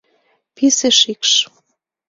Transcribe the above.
писе шикш